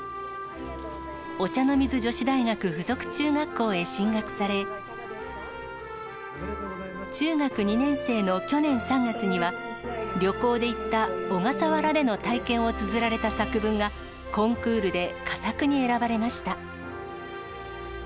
お茶の水女子大学附属中学校へ進学され、中学２年生の去年３月には、旅行で行った小笠原での体験をつづられた作文が、コンクールで佳作に選ばれました。